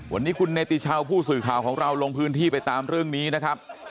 วันนี้คุณเนติชาวผู้สื่อข่าวของเราลงพื้นที่ไปตามเรื่องนี้นะครับ